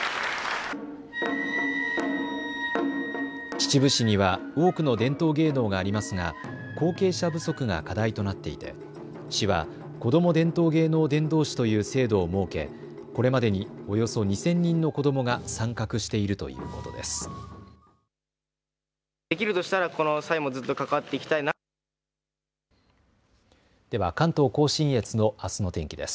秩父市には多くの伝統芸能がありますが後継者不足が課題となっていて、市は子ども伝統芸能伝道師という制度を設け、これまでにおよそ２０００人の子どもが参画しているということです。